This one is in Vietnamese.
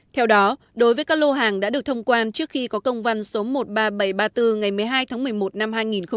theo đó đối với các lô hàng đã được thông quan trước khi có công văn số một mươi ba nghìn bảy trăm ba mươi bốn ngày một mươi hai tháng một mươi một năm hai nghìn một mươi bảy